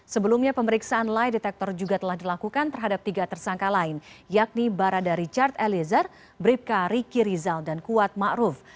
sebelumnya pemeriksaan lie detector juga telah dilakukan terhadap tiga tersangka lain yakni barada richard eliezer bribka riki rizal dan kuat ⁇ maruf ⁇